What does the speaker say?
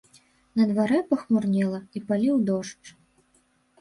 На дварэ пахмурнела і паліў дождж.